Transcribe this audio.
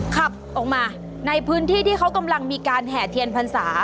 ขับออกมาในพื้นที่ที่เขากำลังมีการแห่เทียนพรรษา